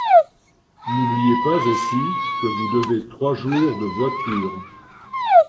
N’oubliez pas aussi que vous devez trois jours de voiture.